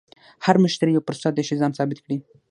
هر مشتری یو فرصت دی چې ځان ثابت کړې.